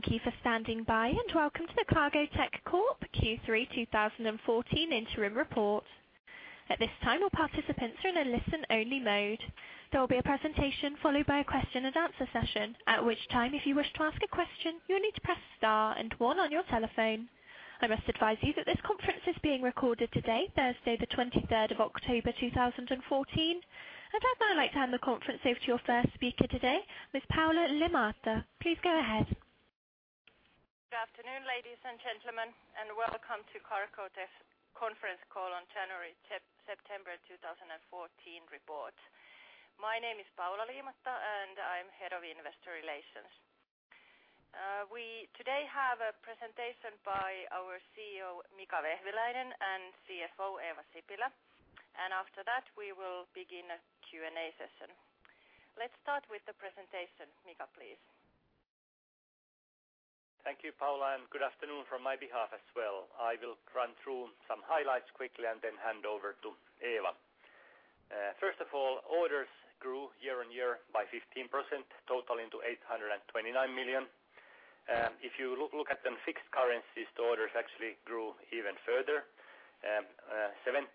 Thank you for standing by and Welcome to the Cargotec Corporation Q3 2014 interim report. At this time, all participants are in a listen-only mode. There will be a presentation followed by a question-and-answer session. At which time, if you wish to ask a question, you'll need to press star and one on your telephone. I must advise you that this conference is being recorded today, Thursday, October 23, 2014. I'd now like to hand the conference over to your first speaker today, Ms. Paula Liimatta. Please go ahead. Good afternoon, ladies and gentlemen, welcome to Cargotec conference call on September 2014 report. My name is Paula Liimatta and I'm Head of Investor Relations. We today have a presentation by our CEO, Mika Vehviläinen, and CFO, Eeva Sipilä. After that, we will begin a Q&A session. Let's start with the presentation. Mika, please. Thank you, Paula. Good afternoon from my behalf as well. I will run through some highlights quickly and then hand over to Eeva. First of all, orders grew YOY by 15% total into 829 million. If you look at them fixed currencies, the orders actually grew even further, 17%.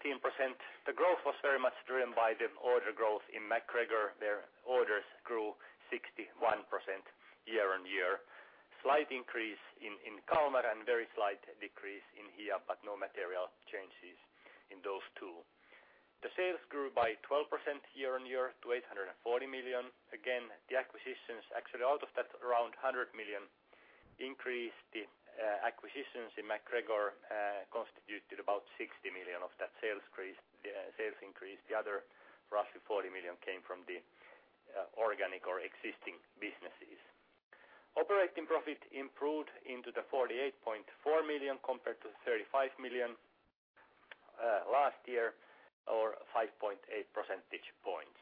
The growth was very much driven by the order growth in MacGregor. Their orders grew 61% YOY. Slight increase in Kalmar and very slight decrease in Hiab, but no material changes in those two. The sales grew by 12% YOYto 840 million. Again, the acquisitions, actually, all of that around 100 million increase the acquisitions in MacGregor constituted about 60 million of that sales increase. The other roughly 40 million came from the organic or existing businesses. Operating profit improved into 48.4 million compared to 35 million last year or 5.8 percentage points.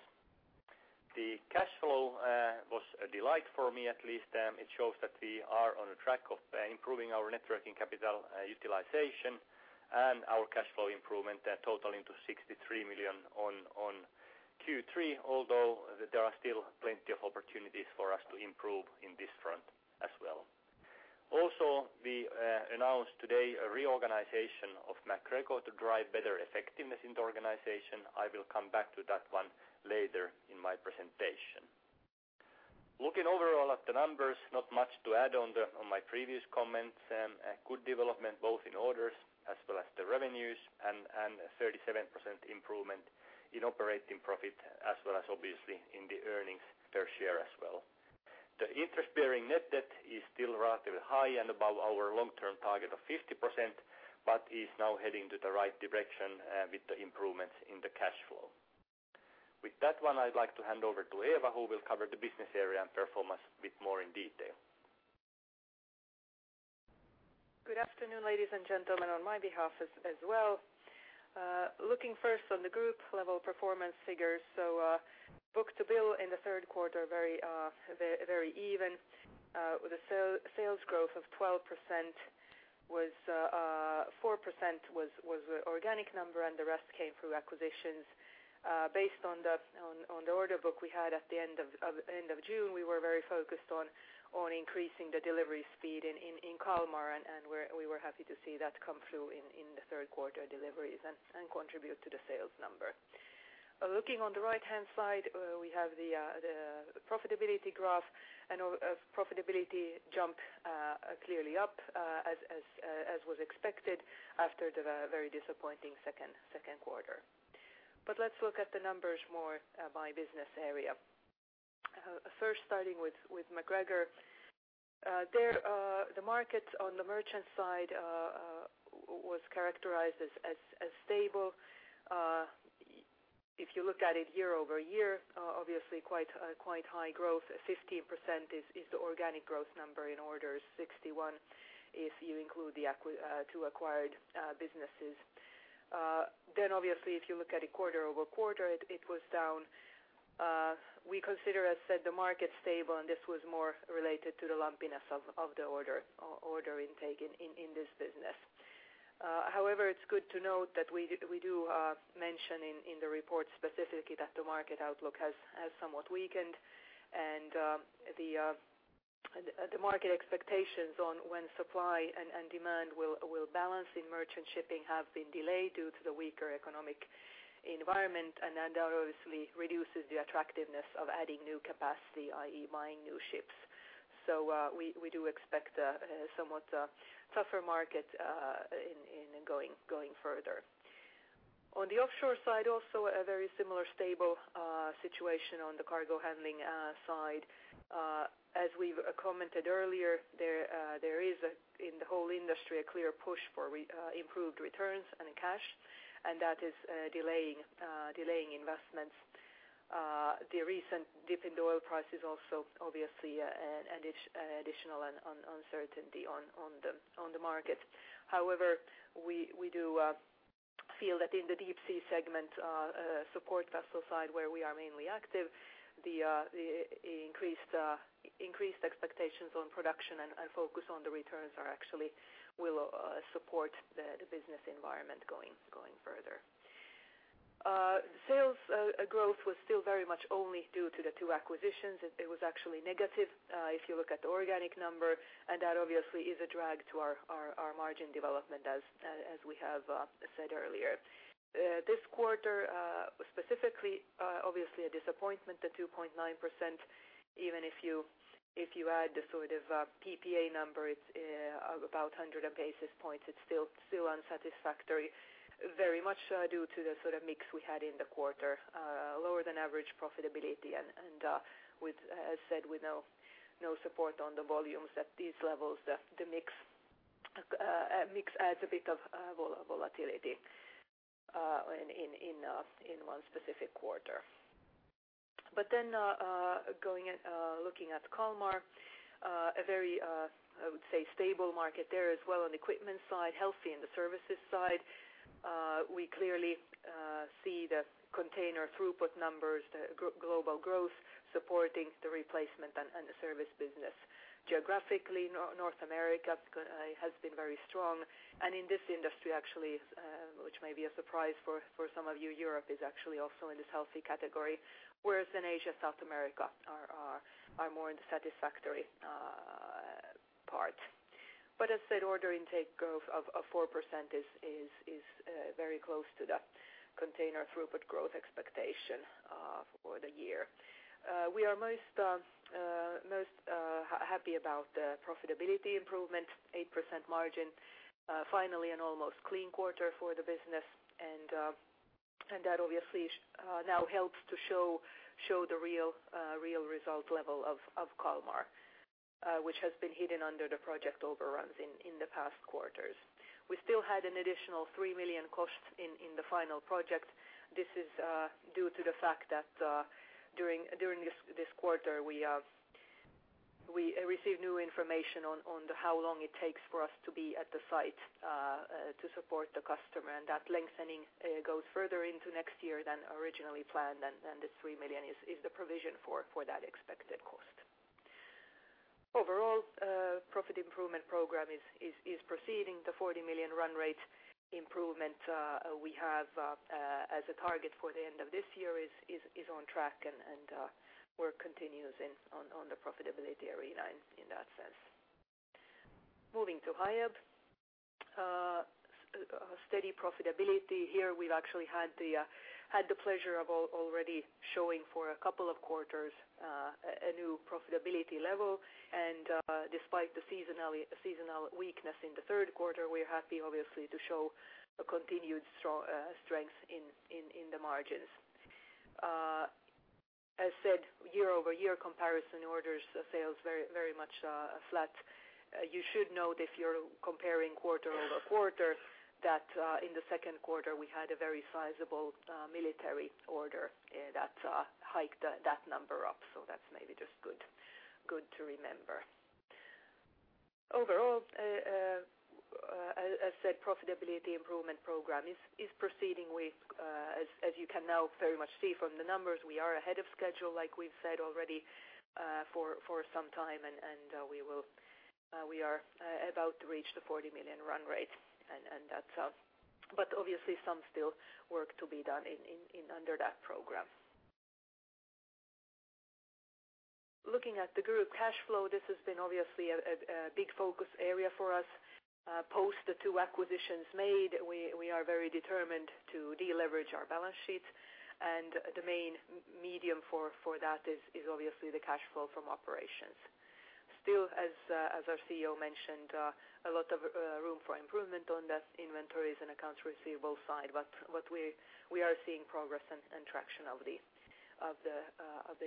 The cash flow was a delight for me at least. It shows that we are on a track of improving our net working capital utilization and our cash flow improvement that total into 63 million on Q3 although there are still plenty of opportunities for us to improve in this front as well. Also, we announced today a reorganization of MacGregor to drive better effectiveness in the organization. I will come back to that one later in my presentation. Looking overall at the numbers, not much to add on my previous comments. A good development both in orders as well as the revenues and a 37% improvement in operating profit as well as obviously in the earnings per share as well. The interest bearing net debt is still rather high and above our long-term target of 50%, but is now heading to the right direction with the improvements in the cash flow. With that one, I'd like to hand over to Eeva who will cover the business area and performance bit more in detail. Good afternoon, ladies and gentlemen, on my behalf as well. Looking first on the group level performance figures. Book-to-bill in the third quarter very even with the sales growth of 12% - 4% organic number and the rest came through acquisitions. Based on the order book we had at the end of June, we were very focused on increasing the delivery speed in Kalmar, and we were happy to see that come through in the third quarter deliveries and contribute to the sales number. Looking on the right-hand side, we have the profitability graph and profitability jump clearly up as was expected after the very disappointing second quarter. Let's look at the numbers more by business area. First starting with MacGregor. There, the market on the merchant side was characterized as stable. If you look at it YOY, obviously quite high growth. 15% is the organic growth number in orders. 61 if you include the two acquired businesses. Then obviously if you look at it quarter-over-quarter it was down. We consider, as said, the market stable, and this was more related to the lumpiness of the order, or order intake in this business. However, it's good to note that we do mention in the report specifically that the market outlook has somewhat weakened and the market expectations on when supply and demand will balance in merchant shipping have been delayed due to the weaker economic environment and that obviously reduces the attractiveness of adding new capacity, i.e. buying new ships. We do expect somewhat tougher market in going further. On the offshore side, also a very similar stable situation on the cargo handling side. As we've commented earlier, there is a, in the whole industry, a clear push for improved returns and cash, and that is delaying investments. The recent dip in the oil price is also obviously additional uncertainty on the, on the market. However, we do feel that in the deep sea segment, support vessel side, where we are mainly active, the increased expectations on production and focus on the returns are actually will support the business environment going further. Sales growth was still very much only due to the two acquisitions. It was actually negative if you look at the organic number, and that obviously is a drag to our margin development as we have said earlier. This quarter, specifically, obviously a disappointment, the 2.9%, even if you add the PPA number, it's of about 100 basis points. It's still unsatisfactory, very much due to the sort of mix we had in the quarter. Lower than average profitability and, as said, with no support on the volumes at these levels, the mix adds a bit of volatility in one specific quarter. Going at looking at Kalmar, a very, I would say, stable market there as well on the equipment side, healthy in the services side. We clearly see the container throughput numbers, the global growth supporting the replacement and the service business. Geographically, North America has been very strong. In this industry, actually, which may be a surprise for some of you, Europe is actually also in this healthy category, whereas in Asia, South America are more in the satisfactory part. As said, order intake growth of 4% is very close to the container throughput growth expectation for the year. We are most happy about the profitability improvement, 8% margin, finally an almost clean quarter for the business. That obviously now helps to show the real result level of Kalmar, which has been hidden under the project overruns in the past quarters. We still had an additional 3 million costs in the final project. This is due to the fact that during this quarter we received new information on the how long it takes for us to be at the site to support the customer. That lengthening goes further into next year than originally planned, and the 3 million is the provision for that expected cost. Overall, profit improvement program is proceeding. The 40 million run rate improvement we have as a target for the end of this year is on track and work continues in on the profitability arena in that sense. Moving to Hiab. Steady profitability here. We've actually had the pleasure of already showing for a couple of quarters a new profitability level. Despite the seasonal weakness in the third quarter, we're happy obviously to show a continued strength in the margins. As said, YOY comparison orders sales very much flat. You should note if you're comparing quarter-over-quarter, that in the second quarter, we had a very sizable military order that hiked that number up. That's maybe just good to remember. Overall, as said, profitability improvement program is proceeding with as you can now very much see from the numbers, we are ahead of schedule, like we've said already for some time, and we will, we are about to reach the 40 million run rate. That's, but obviously some still work to be done in under that program. Looking at the group cash flow, this has been obviously a big focus area for us. Post the two acquisitions made, we are very determined to deleverage our balance sheets, and the main medium for that is obviously the cash flow from operations. Still, as our CEO mentioned, a lot of room for improvement on the inventories and accounts receivable side, but what we are seeing progress and traction of the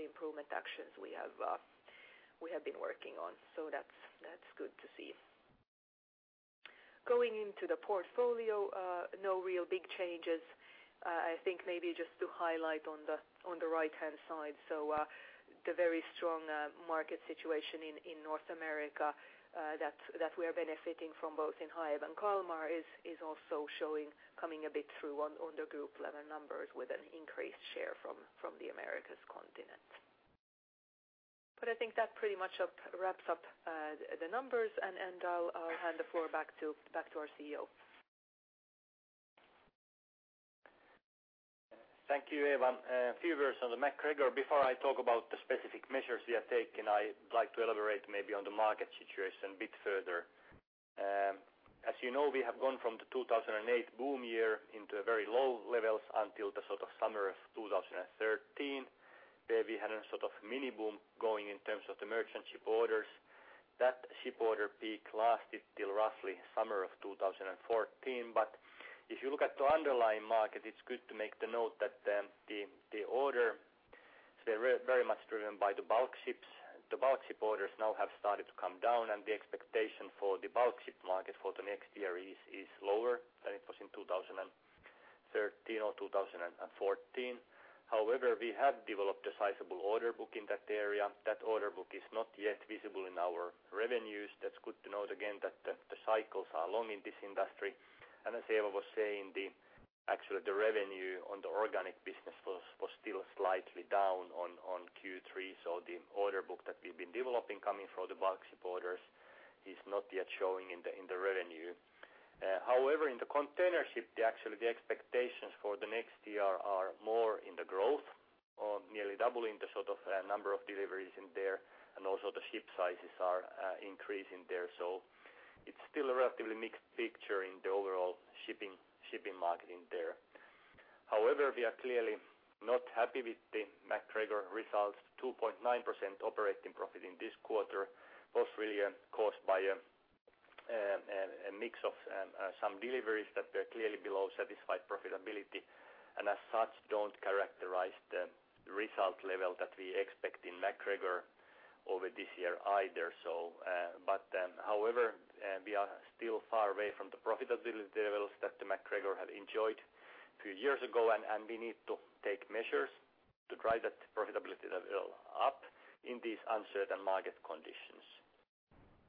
improvement actions we have been working on. That's good to see. Going into the portfolio, no real big changes. I think maybe just to highlight on the right-hand side. The very strong market situation in North America, that we are benefiting from both in Hiab and Kalmar is also showing, coming a bit through on the group level numbers with an increased share from the Americas continent. I think that pretty much wraps up the numbers and I'll hand the floor back to our CEO. Thank you, Eeva. A few words on the MacGregor. Before I talk about the specific measures we have taken, I'd like to elaborate maybe on the market situation a bit further. As you know, we have gone from the 2008 boom year into a very low levels until the sort of summer of 2013, where we had a sort of mini boom going in terms of the merchant ship orders. That ship order peak lasted till roughly summer of 2014. If you look at the underlying market, it's good to make the note that the order, they're very much driven by the bulk ships. The bulk ship orders now have started to come down, and the expectation for the bulk ship market for the next year is lower than it was in 2013 or 2014. However, we have developed a sizable order book in that area. That order book is not yet visible in our revenues. That's good to note again that the cycles are long in this industry. As Eeva was saying, the actual revenue on the organic-Still slightly down on Q3. The order book that we've been developing coming from the Boxships is not yet showing in the revenue. However, in the container ship, the actually the expectations for the next year are more in the growth or nearly double in the sort of, number of deliveries in there, and also the ship sizes are increasing there. It's still a relatively mixed picture in the overall shipping market in there. We are clearly not happy with the MacGregor results. 2.9% operating profit in this quarter was really caused by a mix of some deliveries that were clearly below satisfied profitability, and as such, don't characterize the result level that we expect in MacGregor over this year either. However, we are still far away from the profitability levels that MacGregor had enjoyed two years ago, and we need to take measures to drive that profitability level up in these uncertain market conditions.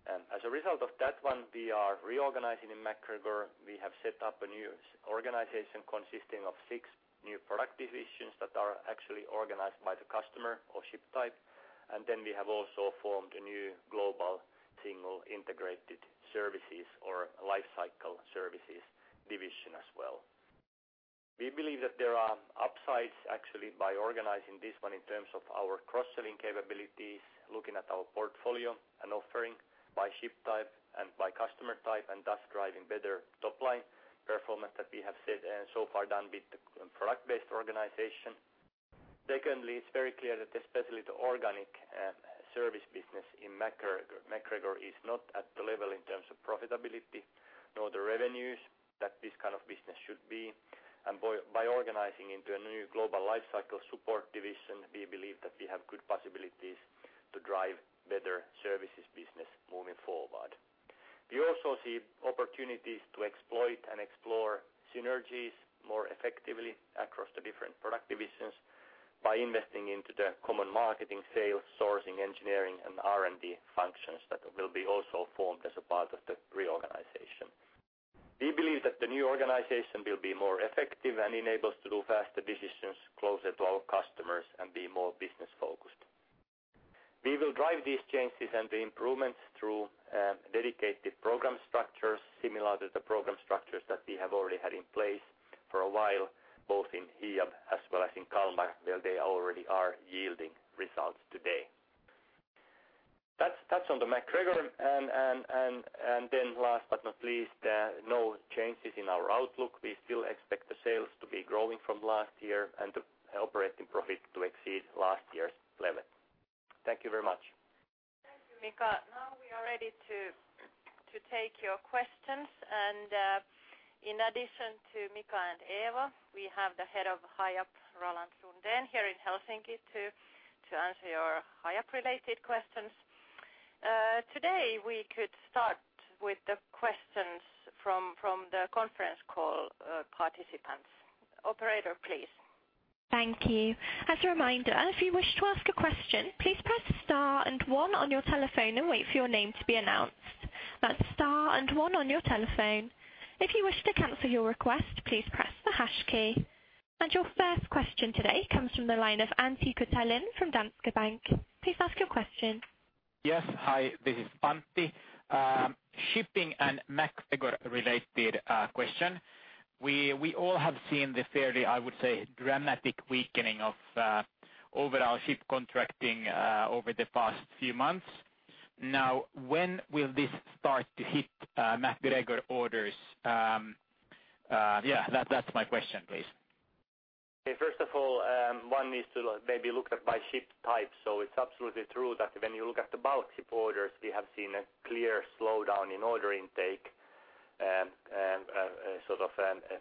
As a result of that one, we are reorganizing in MacGregor. We have set up a new organization consisting of six new product divisions that are actually organized by the customer or ship type. We have also formed a new global single integrated services or Lifecycle Services division as well. We believe that there are upsides actually by organizing this one in terms of our cross-selling capabilities, looking at our portfolio and offering by ship type and by customer type, and thus driving better top-line performance that we have said and so far done with the product-based organization. Secondly, it's very clear that especially the organic, service business in MacGregor is not at the level in terms of profitability, nor the revenues that this kind of business should be. By organizing into a new global lifecycle support division, we believe that we have good possibilities to drive better services business moving forward. We also see opportunities to exploit and explore synergies more effectively across the different product divisions by investing into the common marketing, sales, sourcing, engineering, and R&D functions that will be also formed as a part of the reorganization. We believe that the new organization will be more effective and enables to do faster decisions closer to our customers and be more business-focused. We will drive these changes and the improvements through dedicated program structures similar to the program structures that we have already had in place for a while, both in Hiab as well as in Kalmar, where they already are yielding results today. That's on the MacGregor. Then last but not least, no changes in our outlook. We still expect the sales to be growing from last year and the operating profit to exceed last year's level. Thank you very much. Thank you, Mika. Now we are ready to take your questions. In addition to Mika and Eeva, we have the head of Hiab, Roland Sundén, here in Helsinki to answer your Hiab-related questions. Today, we could start with the questions from the conference call participants. Operator, please. Thank you. As a reminder, if you wish to ask a question, please press star and 1 on your telephone and wait for your name to be announced. That's star and 1 on your telephone. If you wish to cancel your request, please press the hash key. Your first question today comes from the line of Antti Koskivuori from Danske Bank. Please ask your question. Yes. Hi, this is Antti. Shipping and MacGregor-related question. We all have seen the fairly, I would say, dramatic weakening of overall ship contracting over the past few months. When will this start to hit MacGregor orders? Yeah, that's my question, please. Okay. First of all, one needs to maybe look at by ship type. It's absolutely true that when you look at the bulk ship orders, we have seen a clear slowdown in order intake, sort of,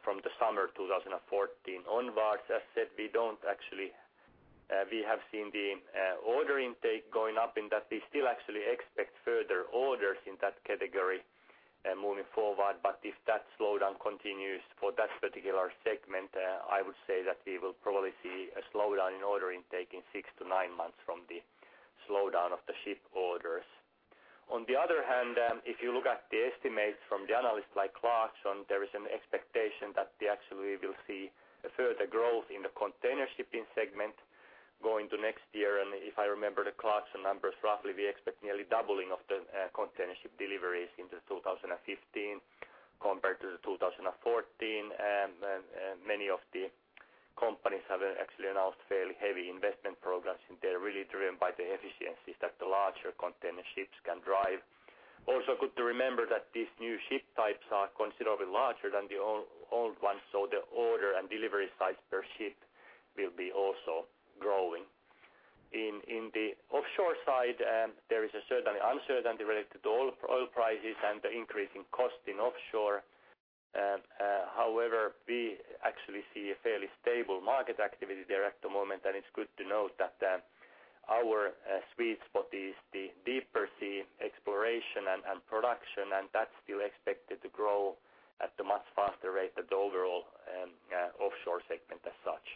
from the summer 2014 onwards. As said, we have seen the order intake going up in that we still actually expect further orders in that category, moving forward. If that slowdown continues for that particular segment, I would say that we will probably see a slowdown in order intake in six-nine months from the slowdown of the ship orders. On the other hand, if you look at the estimates from the analysts like Clarksons, there is an expectation that we actually will see a further growth in the container shipping segment going to next year. If I remember the Clarksons numbers roughly, we expect nearly doubling of the container ship deliveries into 2015 compared to 2014. Many of the companies have actually announced fairly heavy investment programs, and they're really driven by the efficiencies that the larger container ships can drive. Also good to remember that these new ship types are considerably larger than the old ones, so the order and delivery size per ship will be also growing. In the offshore side, there is a certain uncertainty related to oil prices and the increase in cost in offshore. However, we actually see a fairly stable market activity there at the moment. It's good to note that our sweet spot is the deeper sea exploration and production. That's still expected to grow at a much faster rate than the overall offshore segment as such.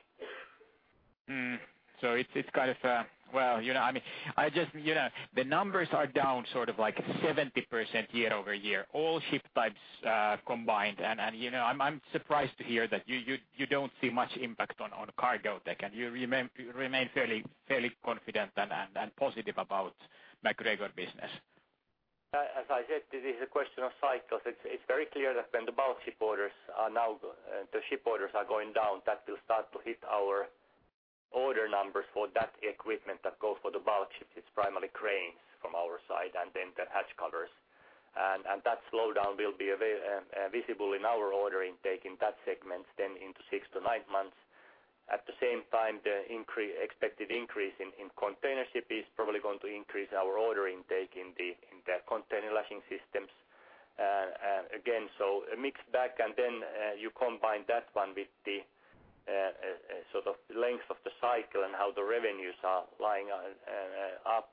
It's kind of, well, you know, I mean, I just, you know, the numbers are down sort of like 70% YOY all ship types combined. You know, I'm surprised to hear that you don't see much impact on cargo. Like can you remain fairly confident and positive about MacGregor business? As I said, this is a question of cycles. It's very clear that when the bulk ship orders are now, the ship orders are going down, that will start to hit our order numbers for that equipment that goes for the bulk ships. It's primarily cranes from our side and then the hatch covers. That slowdown will be visible in our order intake in that segment then into six-nine months. At the same time, the expected increase in container ship is probably going to increase our order intake in the container lashing systems again. A mixed bag and then you combine that one with the sort of length of the cycle and how the revenues are lying up.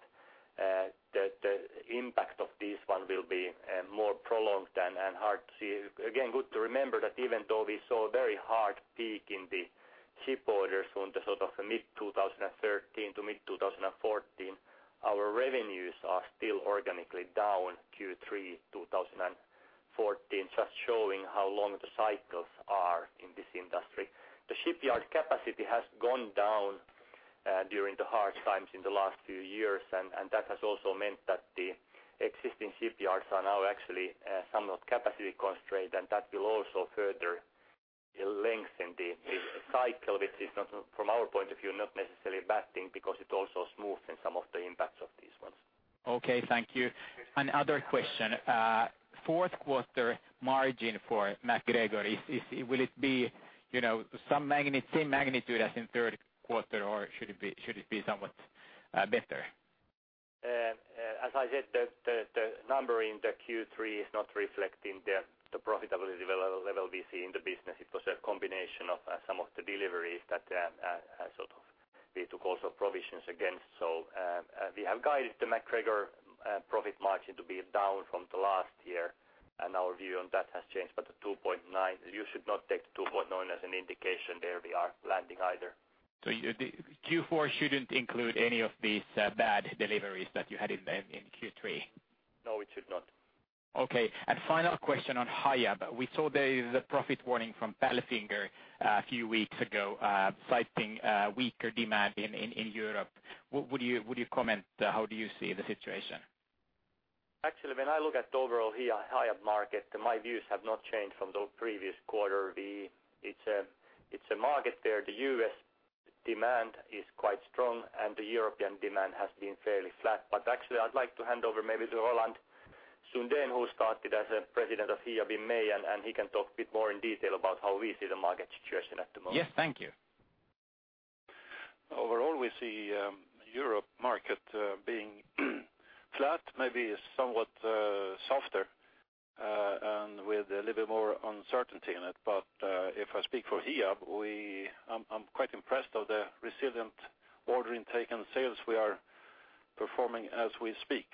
The impact of this one will be more prolonged and hard to see. Again, good to remember that even though we saw a very hard peak in the ship orders on the sort of mid-2013 to mid-2014, our revenues are still organically down Q3 2014, just showing how long the cycles are in this industry. The shipyard capacity has gone down during the hard times in the last few years. That has also meant that the existing shipyards are now actually some of capacity constrained, and that will also further lengthen the cycle. Which is from our point of view, not necessarily a bad thing because it also smoothens some of the impacts of these ones. Okay, thank you. Another question. fourth quarter margin for MacGregor, is it Will it be, you know, same magnitude as in third quarter, or should it be somewhat, better? As I said, the number in the Q3 is not reflecting the profitability level we see in the business. It was a combination of some of the deliveries that we took also provisions against. We have guided the MacGregor profit margin to be down from the last year, and our view on that has changed. The 2.9%, you should not take the 2.9% as an indication there we are landing either. The Q4 shouldn't include any of these, bad deliveries that you had in Q3? No, it should not. Okay. Final question on Hiab. We saw the profit warning from Palfinger a few weeks ago, citing weaker demand in Europe. What would you comment, how do you see the situation? Actually, when I look at the overall Hiab market, my views have not changed from the previous quarter. It's a market there. The US demand is quite strong, and the European demand has been fairly flat. Actually, I'd like to hand over maybe to Roland Sundén, who started as a president of Hiab in May, and he can talk a bit more in detail about how we see the market situation at the moment. Yes, thank you. Overall, we see Europe market being flat, maybe somewhat softer, and with a little bit more uncertainty in it. If I speak for Hiab, I'm quite impressed of the resilient order intake and sales we are performing as we speak.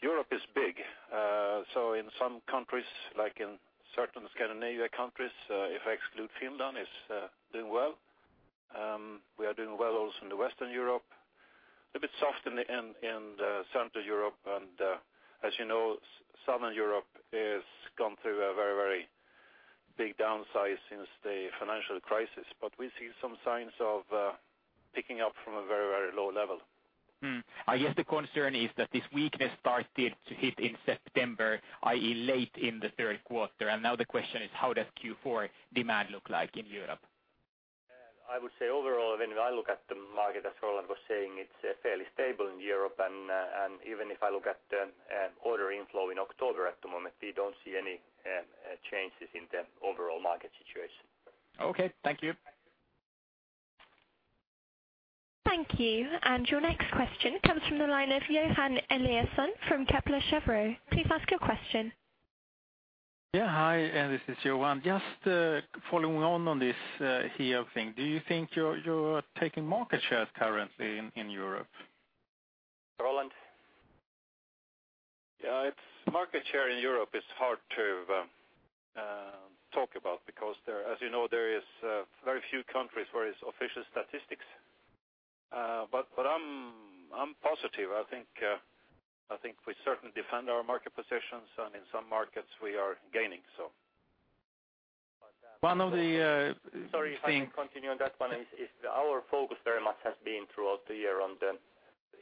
Europe is big. In some countries, like in certain Scandinavia countries, if I exclude Finland, it's doing well. We are doing well also in the Western Europe. A bit soft in the Central Europe. As you know, Southern Europe has gone through a very, very big downsize since the financial crisis. We see some signs of picking up from a very, very low level. I guess the concern is that this weakness started to hit in September, i.e., late in the third quarter. Now the question is: How does Q4 demand look like in Europe? Yeah. I would say overall, when I look at the market, as Roland was saying, it's fairly stable in Europe. Even if I look at order inflow in October at the moment, we don't see any changes in the overall market situation. Okay, thank you. Thank you. Your next question comes from the line of. Please ask your question. Yeah, hi, this is Johan. Just following on this Hiab thing. Do you think you're taking market shares currently in Europe? Roland? It's. Market share in Europe is hard to talk about because there, as you know, there is very few countries where it's official statistics. I'm positive. I think we certainly defend our market positions, and in some markets we are gaining. One of the, Sorry, if I can continue on that one. Is our focus very much has been throughout the year on the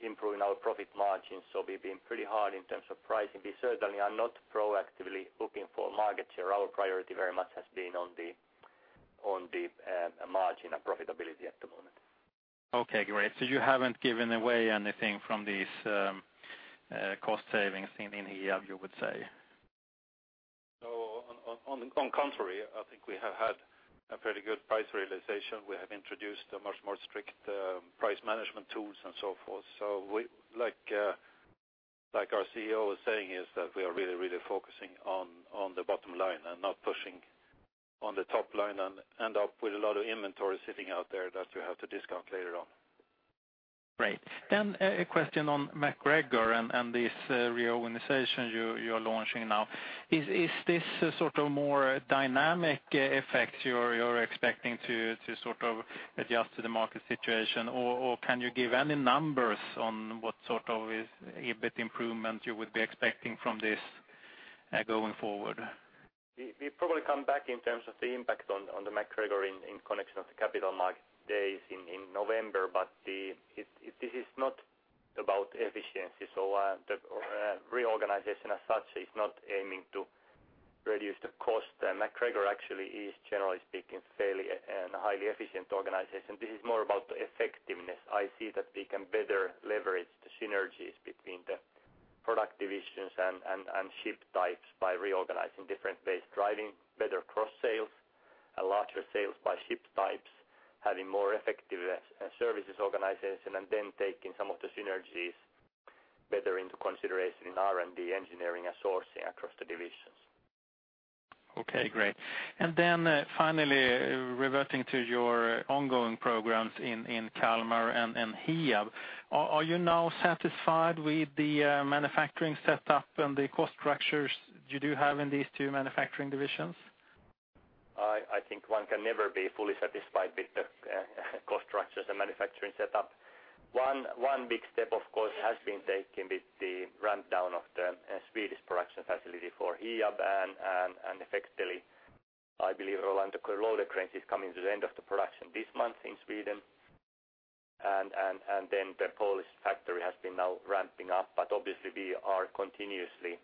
improving our profit margins. We've been pretty hard in terms of pricing. We certainly are not proactively looking for market share. Our priority very much has been on the, on the margin and profitability at the moment. Okay, great. You haven't given away anything from these cost savings in Hiab, you would say? No. On the contrary, I think we have had a fairly good price realization. We have introduced a much more strict price management tools and so forth. We, like our CEO was saying, is that we are really focusing on the bottom line and not pushing on the top line and end up with a lot of inventory sitting out there that we have to discount later on. Great. A question on MacGregor and this reorganization you're launching now. Is this a sort of more dynamic effect you're expecting to sort of adjust to the market situation? Or can you give any numbers on what sort of is EBIT improvement you would be expecting from this going forward? We probably come back in terms of the impact on the MacGregor in connection of the Capital Markets Day in November. This is not about efficiency. The reorganization as such is not aiming to reduce the cost. MacGregor actually is generally speaking fairly and a highly efficient organization. This is more about the effectiveness. I see that we can better leverage the synergies between the product divisions and ship types by reorganizing different ways, driving better cross sales, a larger sales by ship types, having more effective services organization, and then taking some of the synergies better into consideration in R&D engineering and sourcing across the divisions. Okay, great. Finally reverting to your ongoing programs in Kalmar and Hiab. Are you now satisfied with the manufacturing setup and the cost structures you do have in these two manufacturing divisions? I think one can never be fully satisfied with the cost structures and manufacturing setup. One big step of course has been taken with the rundown of the Swedish production facility for Hiab and effectively, I believe Rolando Loader Cranes is coming to the end of the production this month in Sweden. Then the Polish factory has been now ramping up. Obviously we are continuously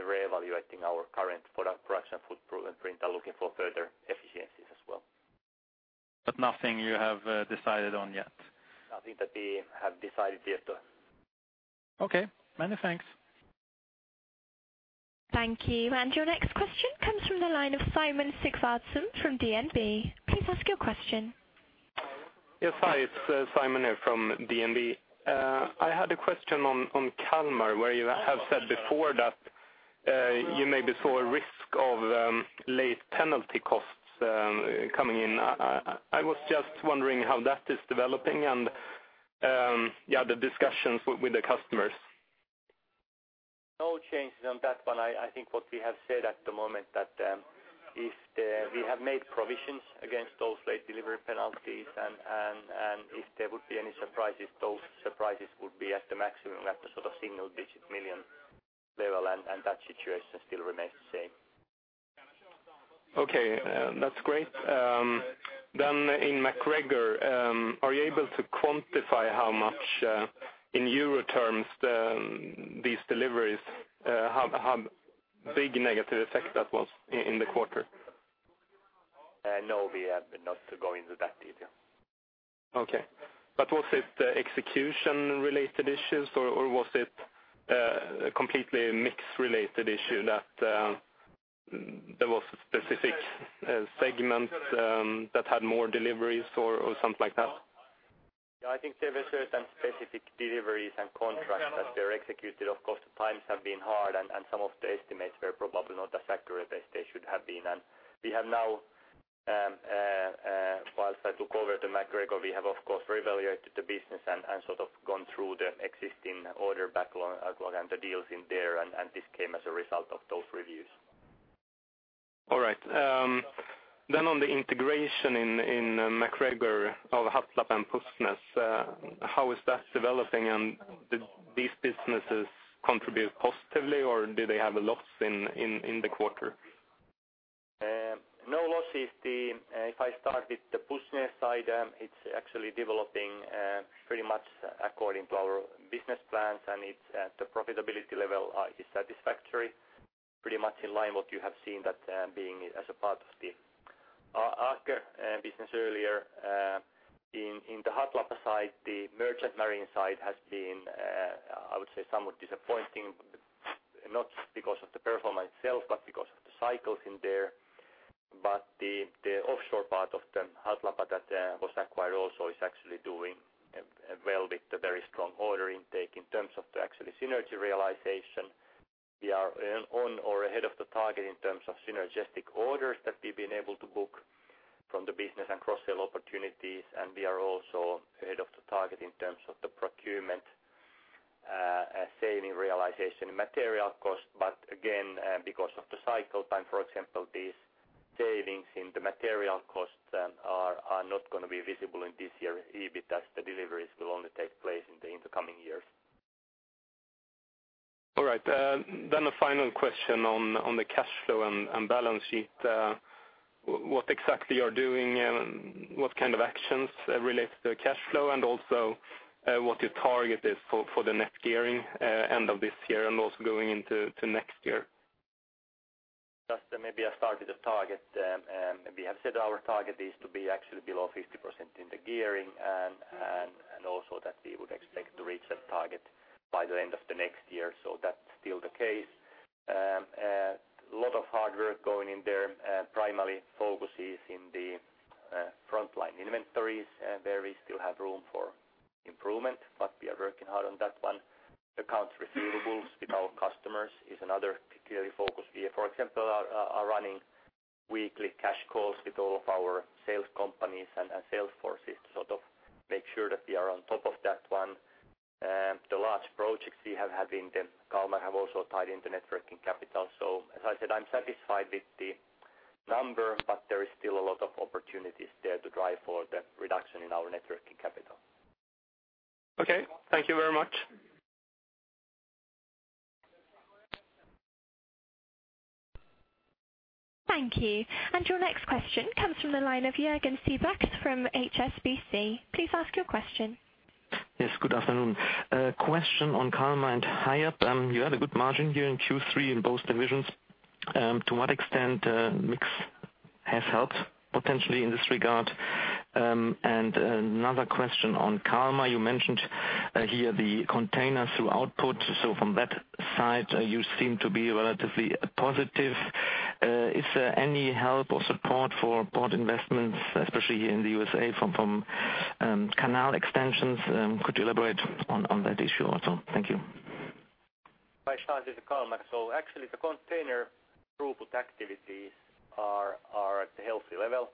reevaluating our current product production footprint and looking for further efficiencies as well. Nothing you have decided on yet? Nothing that we have decided yet, no. Okay. Many thanks. Thank you. Your next question comes from the line of Simon Sigvardsson from DNB. Please ask your question. Yes. Hi, it's Simon here from DNB. I had a question on Kalmar, where you have said before that you maybe saw a risk of late penalty costs coming in. I was just wondering how that is developing and, yeah, the discussions with the customers. No changes on that one. I think what we have said at the moment that, if we have made provisions against those late delivery penalties and if there would be any surprises, those surprises would be at the maximum at the sort of EURO single digit million level, and that situation still remains the same. Okay. That's great. In MacGregor, are you able to quantify how much in EUR terms, these deliveries, have big negative effect that was in the quarter? No, we have not to go into that detail. Okay. Was it execution related issues or was it completely mix related issue that there was a specific segment that had more deliveries or something like that? I think there were certain specific deliveries and contracts that were executed. Of course, the times have been hard and some of the estimates were probably not as accurate as they should have been. We have now, whilst I took over the MacGregor, we have of course reevaluated the business and sort of gone through the existing order backlog and the deals in there and this came as a result of those reviews. All right. On the integration in MacGregor of Hatlapa and Pusnes, how is that developing and did these businesses contribute positively or do they have a loss in, in the quarter? No loss. If I start with the Pusnes side, it's actually developing pretty much according to our business plans, and it's the profitability level is satisfactory. Pretty much in line what you have seen that being as a part of the Aker business earlier. In the Hatlapa side, the merchant marine side has been, I would say somewhat disappointing, not because of the performance itself, but because of the cycles in there. The offshore part of the Hatlapa that was acquired also is actually doing well with the very strong order intake. In terms of the actually synergy realization, we are on or ahead of the target in terms of synergistic orders that we've been able to book from the business and cross-sell opportunities. We are also ahead of the target in terms of the procurement, saving realization and material cost. Again, because of the cycle time, for example, these savings in the material costs, are not gonna be visible in this year's EBITDA, as the deliveries will only take place in the coming years. All right. A final question on the cash flow and balance sheet. What exactly you're doing and what kind of actions relate to the cash flow? What your target is for the net gearing end of this year and also going into next year? Just maybe I start with the target. We have said our target is to be actually below 50% in the gearing and also that we would expect to reach that target by the end of the next year. That's still the case. Lot of hard work going in there. Primary focus is in the frontline inventories. There we still have room for improvement, but we are working hard on that one. Accounts receivables with our customers is another key area of focus. We have, for example, running weekly cash calls with all of our sales companies and sales forces to sort of make sure that we are on top of that one. The large projects we have had in the Kalmar have also tied into networking capital. As I said, I'm satisfied with the number, but there is still a lot of opportunities there to drive for the reduction in our networking capital. Okay. Thank you very much. Thank you. Your next question comes from the line of Jürgen Seebach from HSBC. Please ask your question. Good afternoon. A question on Kalmar and Hiab. You had a good margin here in Q3 in both divisions. To what extent mix has helped potentially in this regard? Another question on Kalmar. You mentioned here the container throughput. From that side, you seem to be relatively positive. Is there any help or support for port investments, especially in the USA from canal extensions? Could you elaborate on that issue also? Thank you. If I start with Kalmar. Actually the container throughput activities are at a healthy level.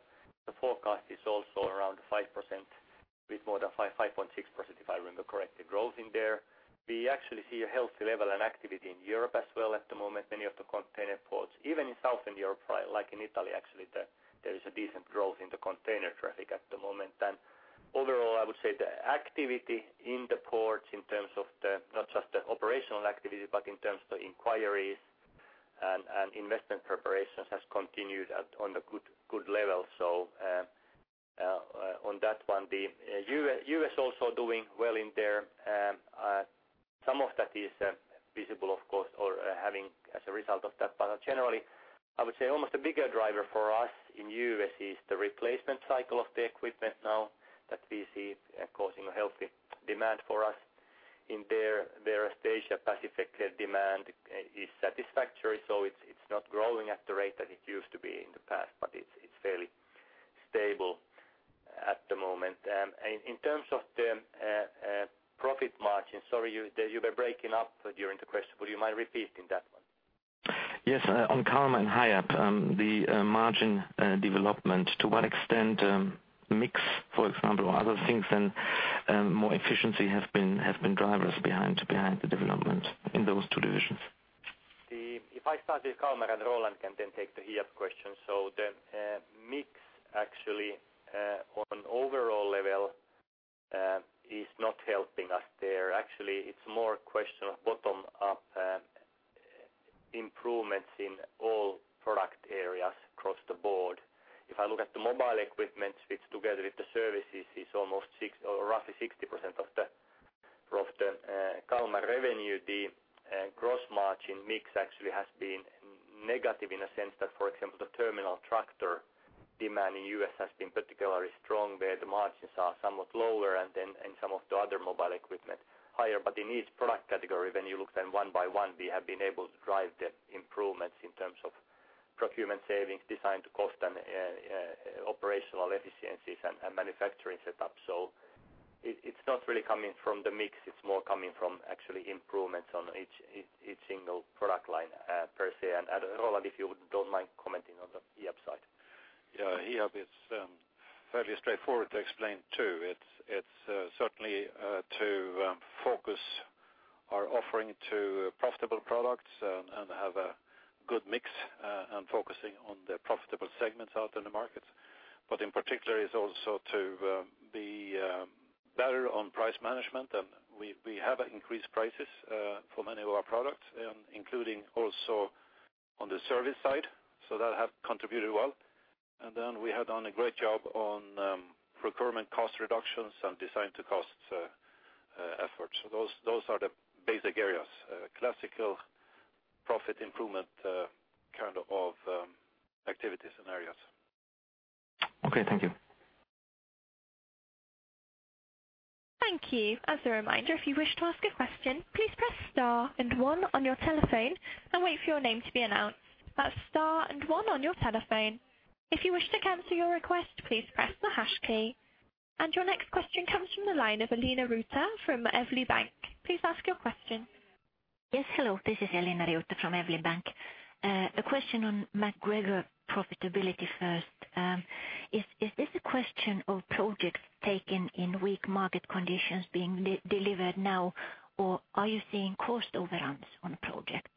The forecast is also around 5% with more than 5.6%, if I remember correctly, growth in there. We actually see a healthy level and activity in Europe as well at the moment. Many of the container ports, even in Southern Europe, like in Italy, actually, there is a decent growth in the container traffic at the moment. Overall, I would say the activity in the ports in terms of the, not just the operational activity, but in terms of inquiries and investment preparations has continued on a good level. On that one, the US also doing well in there. Some of that is visible of course or having as a result of that. Generally, I would say almost a bigger driver for us in US is the replacement cycle of the equipment now that we see causing a healthy demand for us. In there, Asia Pacific demand is satisfactory, so it's not growing at the rate that it used to be in the past, but it's fairly stable at the moment. In terms of the profit margin. Sorry, you were breaking up during the question. Will you mind repeating that one? Yes. On Kalmar and Hiab, the margin development, to what extent, mix, for example, or other things than more efficiency have been drivers behind the development in those two divisions? If I start with Kalmar and Roland can then take the Hiab question. The mix actually on overall level is not helping us there. Actually, it's more a question of bottom up improvements in all product areas across the board. If I look at the mobile equipment, which together with the services is almost 6 or roughly 60% of the Kalmar revenue. The gross margin mix actually has been negative in a sense that, for example, the terminal tractor demand in US has been particularly strong where the margins are somewhat lower and then in some of the other mobile equipment higher. In each product category, when you look them one by one, we have been able to drive the improvements in terms of procurement savings Design to Cost and operational efficiencies and manufacturing setup. It's not really coming from the mix, it's more coming from actually improvements on each single product line, per se. Roland, if you don't mind commenting on the Hiab side. Yeah. Hiab is fairly straightforward to explain too. It's certainly to focus our offering to profitable products and have a good mix and focusing on the profitable segments out in the markets. In particular, it's also to be better on price management. We have increased prices for many of our products, including also on the service side. That have contributed well. We have done a great job on procurement cost reductions and Design to Cost efforts. Those are the basic areas, classical profit improvement kind of activities and areas. Okay, thank you. Thank you. As a reminder, if you wish to ask a question, please press star and one on your telephone and wait for your name to be announced. That's star and one on your telephone. If you wish to cancel your request, please press the hash key. Your next question comes from the line of Elina Riutta from Evli Bank. Please ask your question. Yes, hello, this is Elina Riutta from Evli Bank. A question on MacGregor profitability first. Is this a question of projects taken in weak market conditions being de-delivered now or are you seeing cost overruns on projects?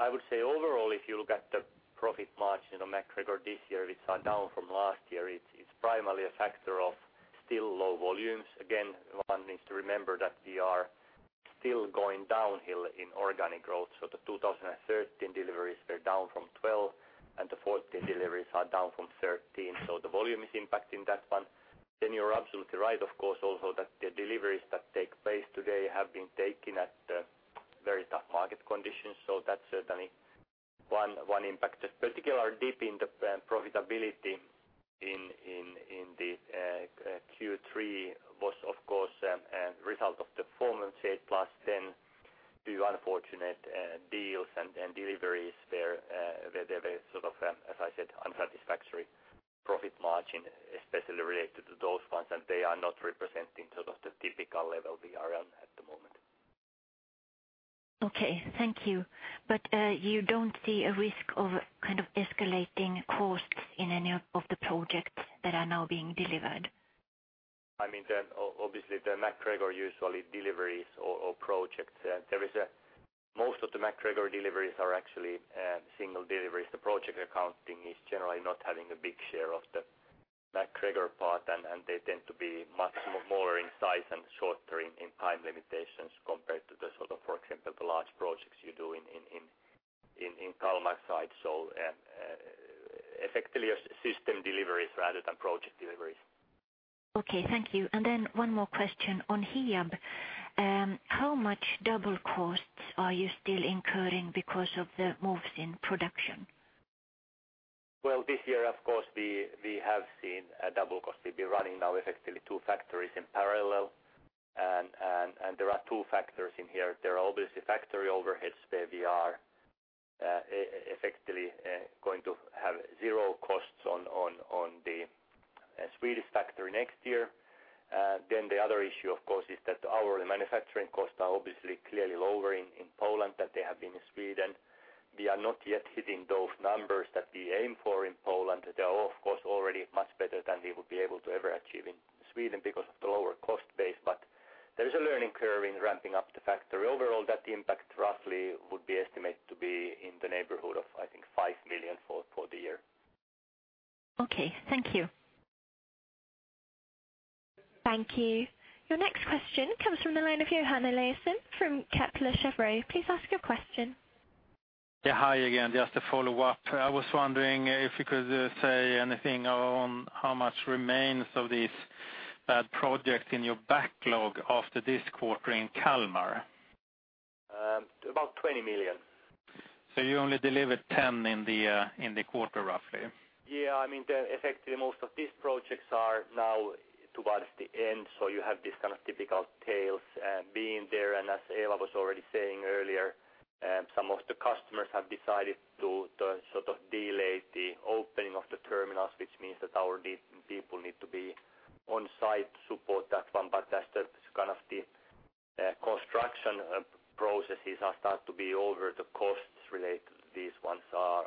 I would say overall, if you look at the profit margin on MacGregor this year, which are down from last year, it's primarily a factor of still low volumes. Again, one needs to remember that we are still going downhill in organic growth. The 2013 deliveries were down from 2012, and the 2014 deliveries are down from 2013. The volume is impacting that one. You're absolutely right, of course, also that the deliveries that take place today have been taken at very tough market conditions. That's certainly one impact. Particularly deep in the profitability in Thank you. Your next question comes from the line of Johanna Lissåker from Kepler Cheuvreux. Please ask your question. Yeah, hi again. Just to follow up, I was wondering if you could say anything on how much remains of these, projects in your backlog after this quarter in Kalmar. About 20 million. You only delivered 10 in the quarter, roughly? I mean, effectively most of these projects are now towards the end, so you have this kind of typical tails being there. As Eeva was already saying earlier, some of the customers have decided to sort of delay the opening of the terminals, which means that our people need to be on site to support that one. As the, kind of the, construction processes are start to be over, the costs related to these ones are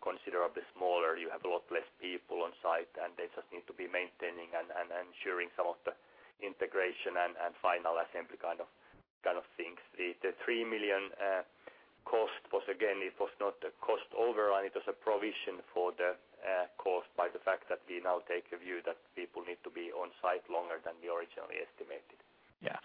considerably smaller. You have a lot less people on site, and they just need to be maintaining and ensuring some of the integration and final assembly kind of things. The three million cost was, again, it was not a cost overrun. It was a provision for the cost by the fact that we now take a view that people need to be on site longer than we originally estimated. Yeah.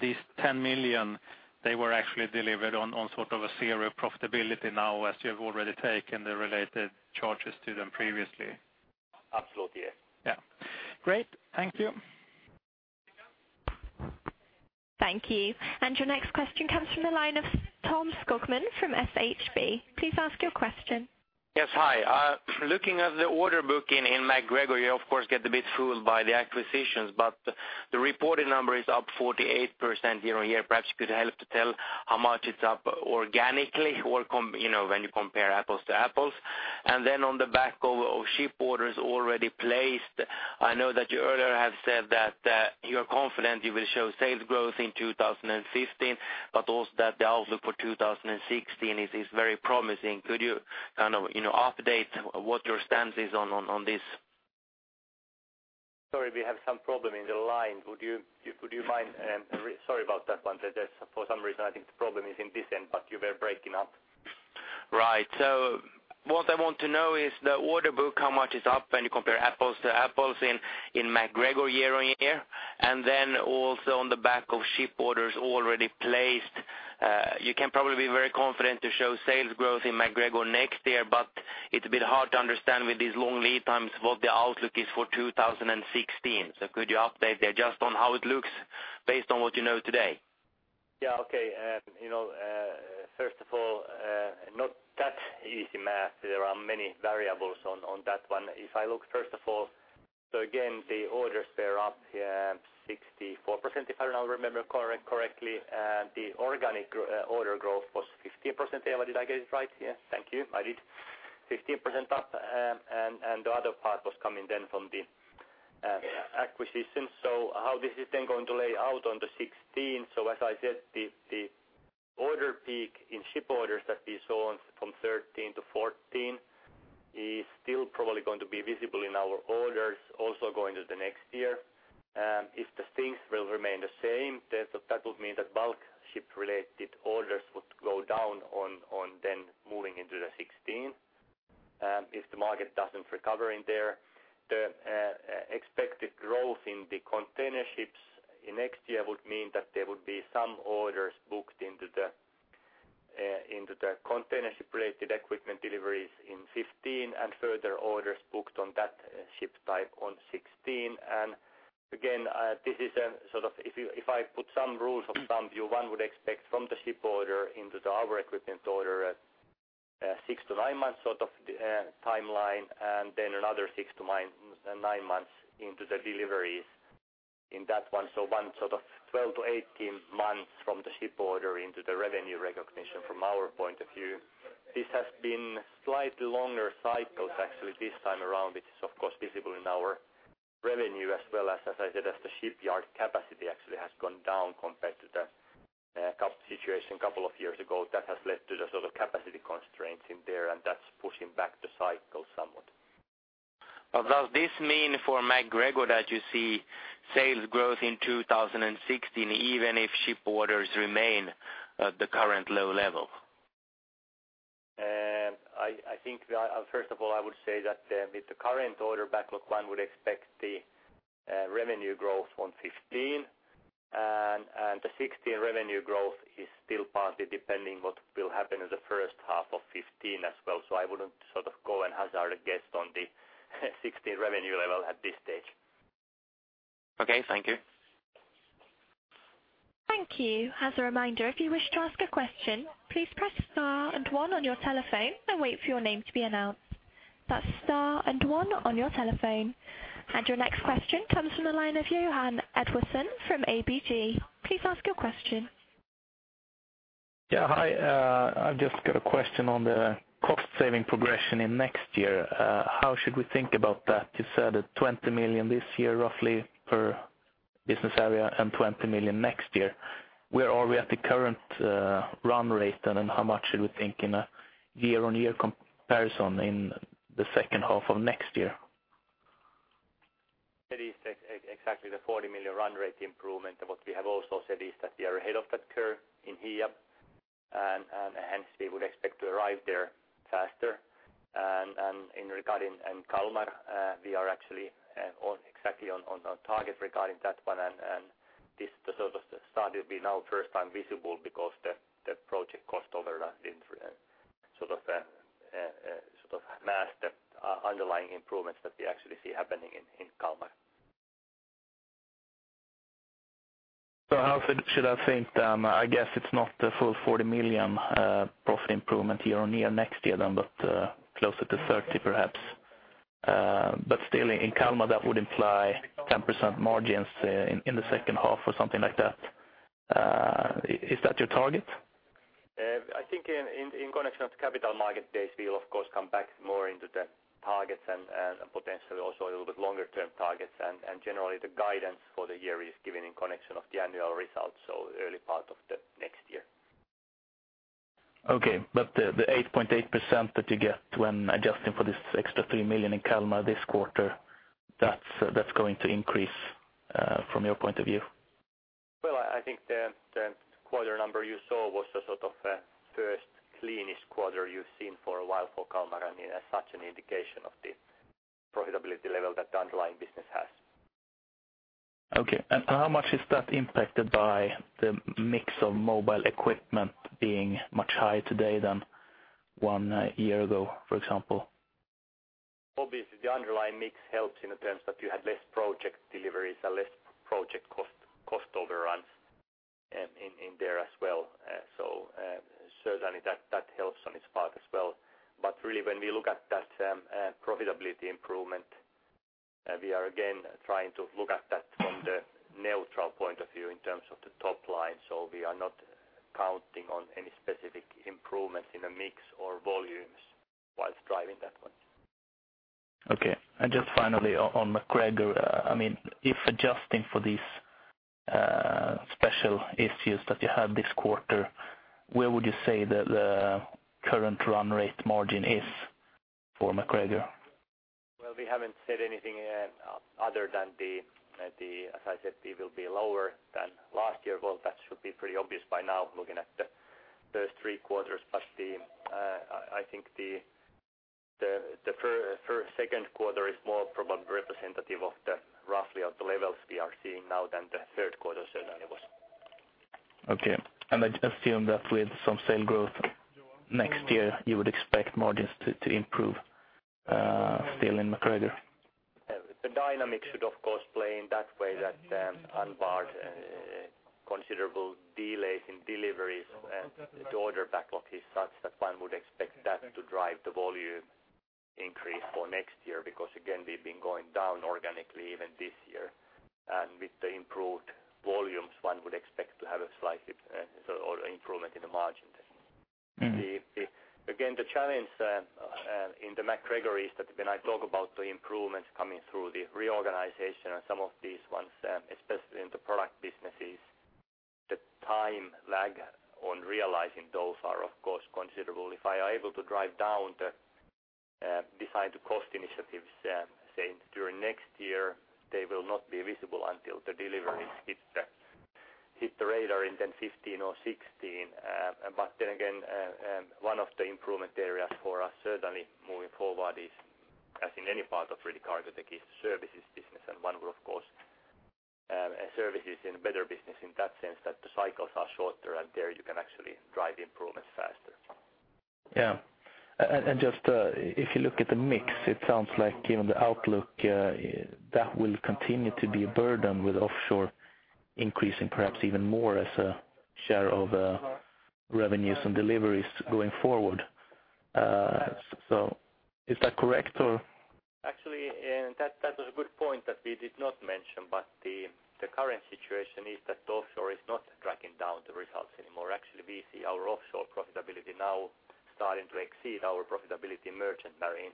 These 10 million, they were actually delivered on sort of a 0 profitability now, as you have already taken the related charges to them previously? Absolutely, yes. Yeah. Great. Thank you. Thank you. Your next question comes from the line of Tom Skogman from SHB. Please ask your question. Yes. Hi. Looking at the order book in MacGregor, you of course get a bit fooled by the acquisitions, but the reported number is up 48% YOY. Perhaps you could help to tell how much it's up organically or you know, when you compare apples to apples. Then on the back of ship orders already placed, I know that you earlier have said that you're confident you will show sales growth in 2015, also that the outlook for 2016 is very promising. Could you kind of, you know, update what your stance is on this? Sorry, we have some problem in the line. Would you mind, sorry about that one. There's, for some reason, I think the problem is in this end. You were breaking up. Right. What I want to know is the order book, how much is up when you compare apples to apples in MacGregorYOY? Also on the back of ship orders already placed, you can probably be very confident to show sales growth in MacGregor next year, but it's a bit hard to understand with these long lead times what the outlook is for 2016. Could you update there just on how it looks based on what you know today? Yeah. Okay. You know, first of all, not that easy math. There are many variables on that one. If I look first of all, again, the orders, they are up 64%, if I now remember correctly. The organic order growth was 15%. Eeva, did I get it right? Yeah. Thank you. I did. 15% up, and the other part was coming then from the acquisition. How this is then going to lay out on the 2016, as I said, the order peak in ship orders that we saw from 2013 to 2014 is still probably going to be visible in our orders also going to the next year. If the things will remain the same, that would mean that bulk ship-related orders would go down on then moving into the 2016. If the market doesn't recover in there, the expected growth in the container ships in next year would mean that there would be some orders booked into the container ship-related equipment deliveries in 2015 and further orders booked on that ship type on 2016. Again, this is a sort of if you, if I put some rules of thumb view, one would expect from the ship order into our equipment order a 6 to 9 months sort of timeline and then another six to nine months into the deliveries in that one. One sort of 12 to 18 months from the ship order into the revenue recognition from our point of view. This has been slightly longer cycles actually this time around, which is of course visible in our revenue as well as I said, as the shipyard capacity actually has gone down compared to the situation couple of years ago. That has led to the sort of capacity constraints in there, and that's pushing back the cycle somewhat. Does this mean for MacGregor that you see sales growth in 2016, even if ship orders remain at the current low level? I think First of all, I would say that with the current order backlog, one would expect the revenue growth on 2015. The 2016 revenue growth is still partly depending what will happen in the first half of 2015 as well. I wouldn't sort of go and hazard a guess on the 2016 revenue level at this stage. Okay. Thank you. Thank you. As a reminder, if you wish to ask a question, please press star and one on your telephone and wait for your name to be announced. That's star and one on your telephone. Your next question comes from the line of Johan Edvardsson from ABG. Please ask your question. Yeah. Hi. I've just got a question on the cost saving progression in next year. How should we think about that? You said that 20 million this year, roughly per business area and 20 million next year. Where are we at the current, run rate? How much should we think in a year-on-year comparison in the second half of next year? That is exactly the 40 million run rate improvement. What we have also said is that we are ahead of that curve in Hiab. Hence we would expect to arrive there faster. In regarding in Kalmar, we are actually on exactly on target regarding that one. This, the sort of start will be now first time visible because the project cost overlap in sort of mask the underlying improvements that we actually see happening in Kalmar. How should I think then? I guess it's not the full 40 million profit improvement year-on-year next year then, but closer to 30 perhaps. Still in Kalmar, that would imply 10% margins in the second half or something like that. Is that your target? I think in connection with Capital Markets Days, we'll of course come back more into the targets and potentially also a little bit longer-term targets. Generally the guidance for the year is given in connection of the annual results, so early part of the next year. Okay. The 8.8% that you get when adjusting for this extra 3 million in Kalmar this quarter, that's going to increase from your point of view? I think the quarter number you saw was a sort of first cleanest quarter you've seen for a while for Kalmar. I mean, as such an indication of the profitability level that the underlying business has. Okay. How much is that impacted by the mix of mobile equipment being much higher today than one year ago, for example? Obviously, the underlying mix helps in terms that you had less project deliveries and less project cost overruns in there as well. Certainly that helps on its part as well. Really, when we look at that profitability improvement, we are again trying to look at that from the neutral point of view in terms of the top line. We are not counting on any specific improvements in the mix or volumes whilst driving that one. Okay. Just finally on MacGregor. I mean, if adjusting for these special issues that you had this quarter, where would you say the current run rate margin is for MacGregor? Well, we haven't said anything other than as I said, we will be lower than last year. Well, that should be pretty obvious by now, looking at the first three quarters. I think the second quarter is more probably representative of the roughly of the levels we are seeing now than the third quarter certainly was. Okay. I assume that with some sale growth next year, you would expect margins to improve still in MacGregor. The dynamic should of course play in that way that, unbarred, considerable delays in deliveries. The order backlog is such that one would expect that to drive the volume increase for next year, because again, we've been going down organically even this year. With the improved volumes, one would expect to have a slight, or improvement in the margin then. Mm-hmm. Again, the challenge in the MacGregor is that when I talk about the improvements coming through the reorganization and some of these ones, especially in the product businesses, the time lag on realizing those are of course considerable. If I am able to drive down the Design to Cost initiatives, say, during next year, they will not be visible until the deliveries hit the radar in 2015 or 2016. Again, one of the improvement areas for us certainly moving forward is, as in any part of really Cargotec, is the services business. One will of course, services in a better business in that sense that the cycles are shorter and there you can actually drive improvements faster. Yeah. Just, if you look at the mix, it sounds like even the outlook, that will continue to be a burden with offshore increasing perhaps even more as a share of revenues and deliveries going forward. Is that correct or? That, that was a good point that we did not mention. The, the current situation is that offshore is not dragging down the results anymore. We see our offshore profitability now starting to exceed our profitability in merchant marine.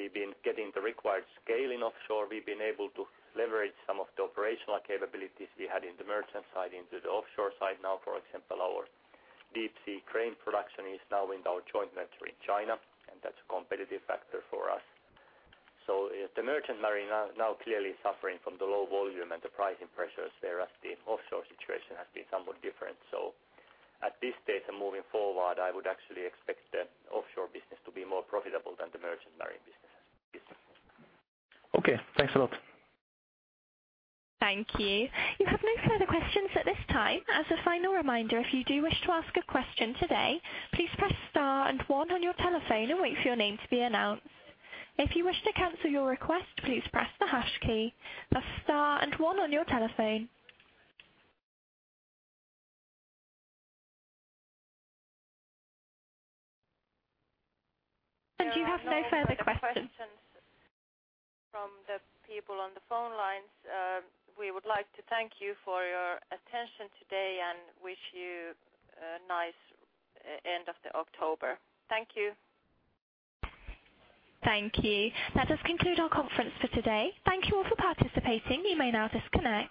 We've been getting the required scale in offshore. We've been able to leverage some of the operational capabilities we had in the merchant side into the offshore side. Now, for example, our deep sea crane production is now in our joint venture in China, and that's a competitive factor for us. The merchant marine are now clearly suffering from the low volume and the pricing pressures, whereas the offshore situation has been somewhat different. At this stage and moving forward, I would actually expect the offshore business to be more profitable than the merchant marine business. Yes. Okay, thanks a lot. Thank you. You have no further questions at this time. As a final reminder, if you do wish to ask a question today, please press star and one on your telephone and wait for your name to be announced. If you wish to cancel your request, please press the hash key. That's star and one on your telephone. You have no further questions. From the people on the phone lines, we would like to thank you for your attention today and wish you a nice end of the October. Thank you. Thank you. That does conclude our conference for today. Thank you all for participating. You may now disconnect.